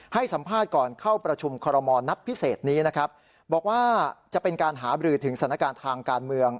ให้สัมภาษณ์ก่อนเข้าประชุมคอรมณ์นัดพิเศษนี้นะครับบอกว่าจะเป็นการหาบรือถึงสถานการณ์ทางการเมือง